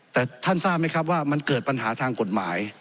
แต่ท่านทราบไหมครับว่ามันเกิดปัญหาทางกฎหมาย